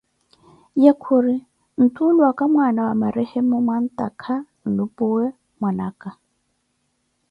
Ye khuri ntulwaka mwana wa marehemo manttaka nlu'puwe man'naka